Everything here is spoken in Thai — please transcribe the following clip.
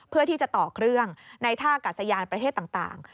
เพื่อที่จะต่อเครื่องในท่ากัดสยานประเทศต่าง